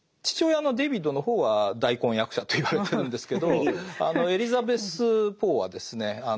父親のデビッドの方は大根役者といわれてるんですけどエリザベス・ポーはですね